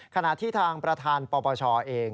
ขณะที่ทางประธานปปชเอง